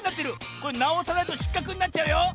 これなおさないとしっかくになっちゃうよ。